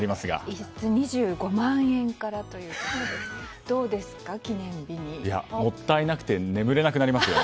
１室２５万円からということですがもったいなくて眠れなくなりますよ。